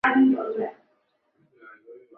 行政中心位于萨瓦德尔与塔拉萨。